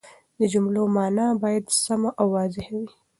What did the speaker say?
د جملو مانا باید سمه او واضحه وي.